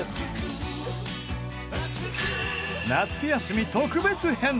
夏休み特別編！